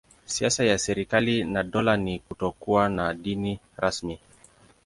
Siasa ya serikali na dola ni kutokuwa na dini rasmi.